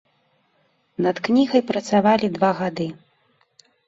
Над кнігай працавалі два гады.